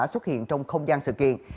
xuất hiện trong không gian sự kiện